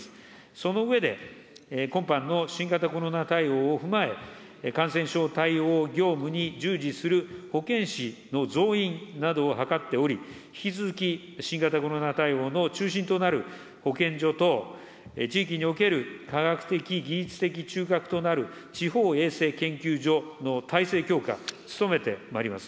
その上で、今般の新型コロナ対応を踏まえ、感染症対応業務に従事する保健師の増員などを図っており、引き続き新型コロナ対応の中心となる保健所と、地域における科学的・技術的中核となる地方衛生研究所の体制強化、努めてまいります。